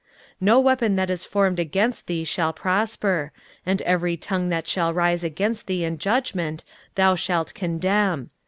23:054:017 No weapon that is formed against thee shall prosper; and every tongue that shall rise against thee in judgment thou shalt condemn.